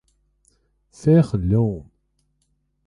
Féach an leon!